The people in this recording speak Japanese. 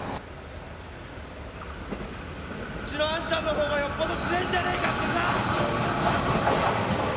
うちのあんちゃんの方がよっぽど強ぇんじゃねえかってさ。